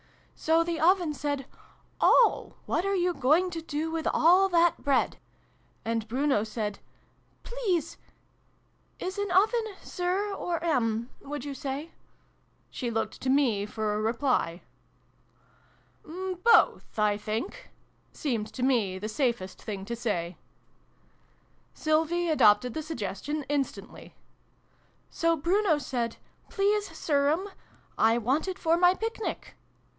" So the Oven said ' O ! What are you going to do with all that Bread ?' And Bruno said ' Please Is an Oven ' Sir ' or ' 'm,' would you say ?" She looked to me for a reply. Xiv] BRUNO'S PICNIC. 223 " Both, I think," seemed to me the safest thing to say. Sylvie adopted the suggestion instantly. " So Bruno said ' Please, Sirm, I want it for my Picnic.'